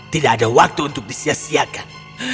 tidak ada waktu untuk disiasiakan